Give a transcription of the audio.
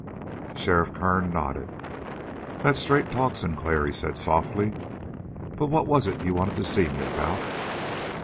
Sheriff Kern nodded. "That's straight talk, Sinclair," he said softly. "But what was it you wanted to see me about?"